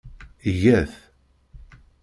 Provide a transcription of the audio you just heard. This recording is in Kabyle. Iga-t.